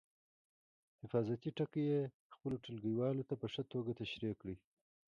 حفاظتي ټکي یې خپلو ټولګیوالو ته په ښه توګه تشریح کړئ.